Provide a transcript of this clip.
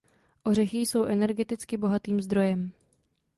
Ořechy jsou energeticky bohatým zdrojem.